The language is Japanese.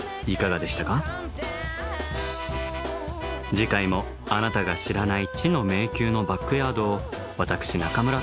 次回もあなたが知らない「知の迷宮のバックヤード」を私中村倫也がご案内いたします。